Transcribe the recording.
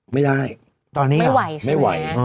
ไม่ได้ไม่ไหวใช่มั้ย